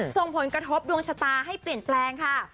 ส่งผลกระทบดวงชะตาให้เปลี่ยนแปลงค่ะ